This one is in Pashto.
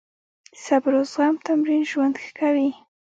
د صبر او زغم تمرین ژوند ښه کوي.